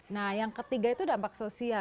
nah yang ketiga itu dampak sosial